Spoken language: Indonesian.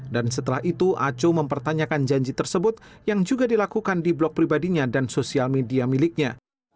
dan setelah itu aco mempertanyakan janji tersebut yang juga dilakukan di blog pribadinya dan sosial media miliknya